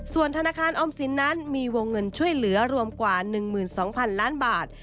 ส่วนธนาคารออมสินนั้นมีวงเงินช่วยเหลือรวมกว่า๑๒๐๐๐ล้านบาท